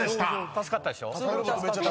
助かったでしょ。